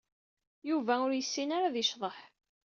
Yuba ur yessin ara ad yecḍeḥ.